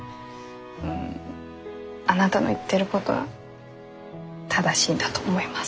うんあなたの言ってることは正しいんだと思います。